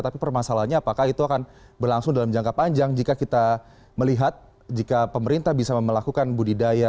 tapi permasalahannya apakah itu akan berlangsung dalam jangka panjang jika kita melihat jika pemerintah bisa melakukan budidaya